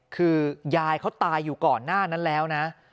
คือยายเขาตายอยู่ก่อนหน้านั้นแล้วนะ